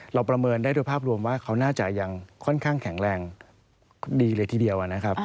ประเมินได้โดยภาพรวมว่าเขาน่าจะยังค่อนข้างแข็งแรงดีเลยทีเดียวนะครับ